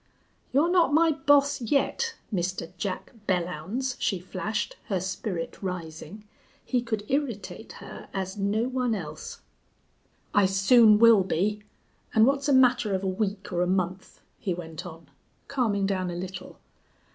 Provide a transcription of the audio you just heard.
"You're not my boss yet, Mister Jack Belllounds," she flashed, her spirit rising. He could irritate her as no one else. "I soon will be. And what's a matter of a week or a month?" he went on, calming down a little.